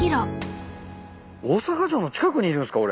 大阪城の近くにいるんすか？